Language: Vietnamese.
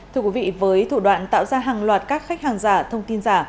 thưa quý vị với thủ đoạn tạo ra hàng loạt các khách hàng giả thông tin giả